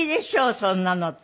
そんなのって。